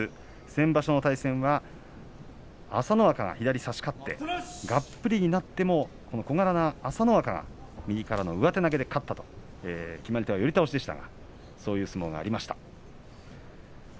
先場所の対戦は朝乃若が左差し勝ってがっぷりになっても小柄な朝乃若右からの上手投げで勝ったという決まり手は寄り倒しでした。